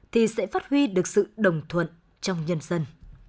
thì sẽ phát huy được sự đồng thuận trong nhân dân